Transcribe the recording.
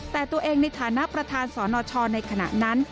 แต่ตัวเองในฐานะประธานสนชในขณะนั้น